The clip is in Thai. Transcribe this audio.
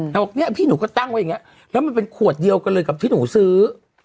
บอกเนี่ยพี่หนูก็ตั้งไว้อย่างนี้แล้วมันเป็นขวดเดียวกันเลยกับที่หนูซื้อ